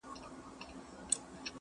چا چي کړي پر مظلوم باندي ظلمونه٫